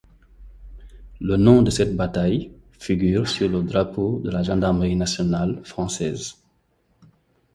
Le nom de cette bataille figure sur le drapeau de la Gendarmerie nationale française.